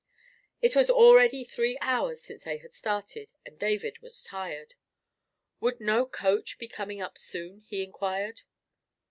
It was already three hours since they had started, and David was tired. Would no coach be coming up soon? he inquired.